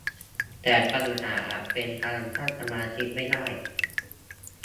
แต่ปัญหาอาจเป็นการตั้งสมาธิไม่ได้